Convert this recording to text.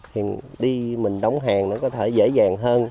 thì mình đi mình đóng hàng nó có thể dễ dàng hơn